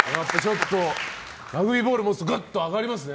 ラグビーボールを持つとグッと上がりますね。